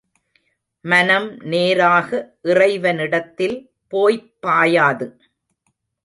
மனம் நேராக இறைவனிடத்தில் போய்ப் பாயாது.